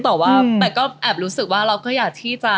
แต่บางทีแบบรู้สึกว่าเราก็อยากที่จะ